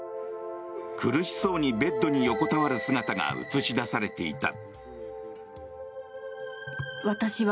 苦しそうにベッドに横たわる姿が映し出されていた。